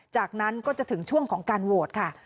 จากนั้นก็จะถึงช่วงของการโหวตค่ะ